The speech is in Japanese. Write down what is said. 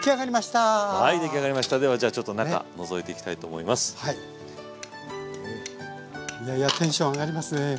いやいやテンション上がりますね。